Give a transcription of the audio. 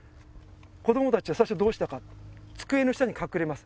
子供達は最初どうしたか机の下に隠れます